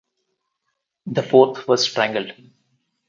The fourth was strangled.